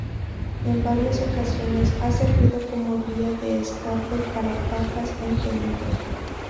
En varias ocasiones ha servido como vía de escape para papas en peligro.